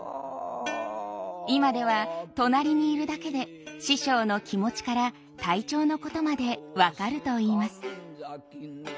今では隣にいるだけで師匠の気持ちから体調のことまで分かるといいます。